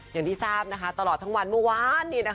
อย่างที่ทราบนะคะตลอดทั้งวันเมื่อวาน